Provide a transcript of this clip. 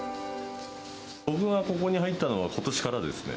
僕がここに入ったのはことしからですね。